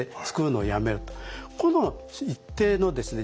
この一定のですね